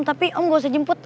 tapi om gak usah jemput